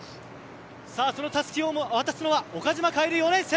そのたすきを渡すのは岡島楓４年生。